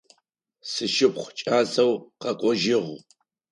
Сшыпхъу кӏасэу къэкӏожьыгъ.